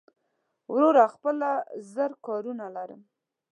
وروره زه خپله زر کارونه لرم